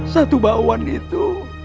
satu bakwan itu